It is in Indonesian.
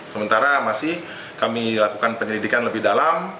sementara masih kami lakukan penyelidikan lebih dalam